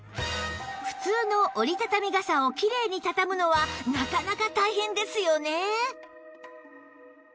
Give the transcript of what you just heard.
普通の折りたたみ傘をキレイにたたむのはなかなか大変ですよね